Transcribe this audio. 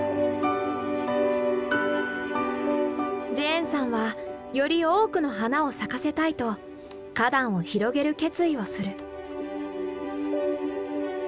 ジェーンさんはより多くの花を咲かせたいと花壇を広げる決意をする。